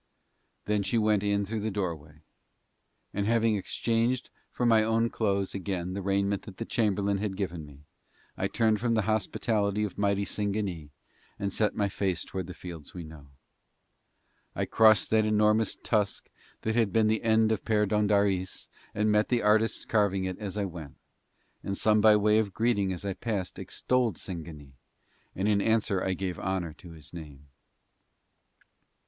Then she went in through the doorway. And having exchanged for my own clothes again the raiment that the chamberlain had given me I turned from the hospitality of mighty Singanee and set my face towards the fields we know. I crossed that enormous tusk that had been the end of Perdóndaris and met the artists carving it as I went; and some by way of greeting as I passed extolled Singanee, and in answer I gave honour to his name.